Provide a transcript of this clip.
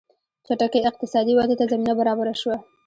چټکې اقتصادي ودې ته زمینه برابره شوه.